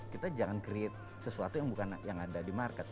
kita jangan create sesuatu yang bukan yang ada di market